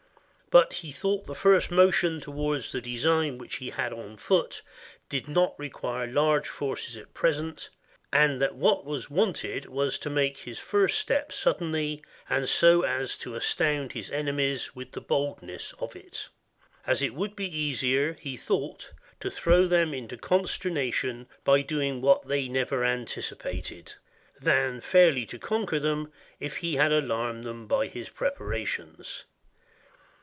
But he thought the first motion to wards the design which he had on foot did not require large forces at present, and that what was wanted was to make this first step suddenly, and so as to astound his enemies with the boldness of it; as it would be easier, he thought, to throw them into consternation by doing what they never anticipated, than fairly to conquer them, if he had alarmed them by his preparations.